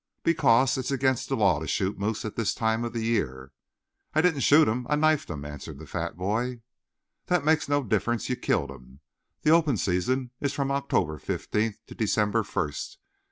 "Because it is against the law to shoot moose at this time of the year." "I didn't shoot him. I knifed him," answered the fat boy. "That makes no difference; you killed him. The open season is from October fifteenth to December first.